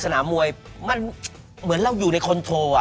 สนามมวยมันเหมือนเราอยู่ในคอนโทรอ่ะ